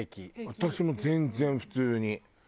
私も全然普通に。